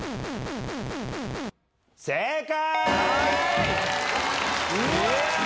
正解！